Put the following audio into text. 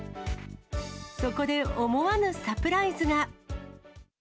そこで思わぬサプライズが。